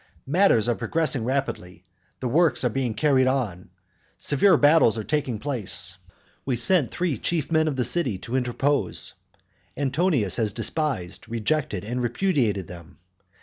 Matters are progressing rapidly; the works have been carried on; severe battles are taking place. We sent three chief men of the city to interpose. Antonius has despised, rejected, and repudiated them.